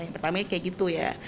yang pertama kayak gitu ya